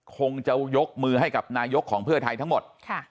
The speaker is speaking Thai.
คงจะยกมือให้กับนายกของเพื่อไทยทั้งหมด